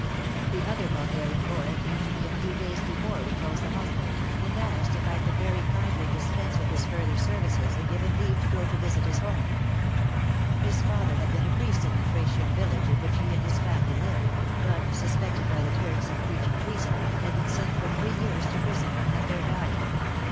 The other Bulgarian boy came to me a few days before we closed the hospital, and asked if I could very kindly dispense with his further services and give him leave to go to visit his home. His father had been a priest in the Thracian village in which he and his family lived, but, suspected by the Turks of preaching treason, had been sent for three years to prison and had there died.